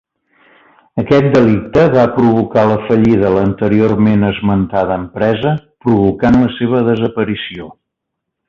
Aquest delicte va provocar la fallida a l'anteriorment esmentada empresa provocant la seva desaparició.